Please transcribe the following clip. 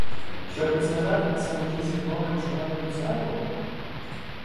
Щоб не сказати на самоті зі мною чого-небудь зайвого?